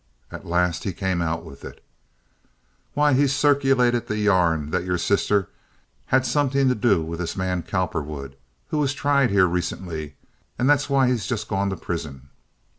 At last he came out with, "Why, he's circulated the yarn that your sister had something to do with this man Cowperwood, who was tried here recently, and that that's why he's just gone to prison."